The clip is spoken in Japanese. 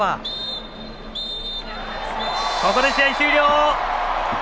ここで試合終了！